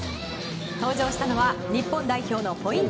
登場したのは日本代表のポイント